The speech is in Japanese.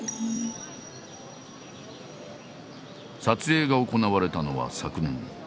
撮影が行われたのは昨年。